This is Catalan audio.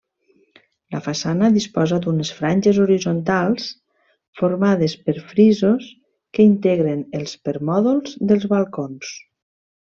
La façana disposa d'unes franges horitzontals formades per frisos que integren els permòdols dels balcons.